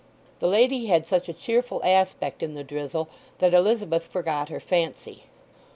The lady had such a cheerful aspect in the drizzle that Elizabeth forgot her fancy.